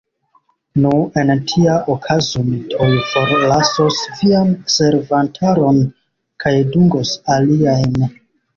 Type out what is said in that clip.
Nu, en tia okazo mi tuj forlasos vian servantaron kaj dungos aliajn.